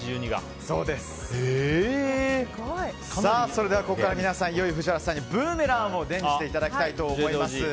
それでは、ここからいよいよ藤原さんにブーメランを伝授していただきたいと思います。